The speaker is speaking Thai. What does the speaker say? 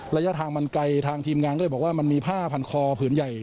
ระยะทางมันไกลทางทีมงานก็เลยบอกว่ามันมีผ้าพันคอผืนใหญ่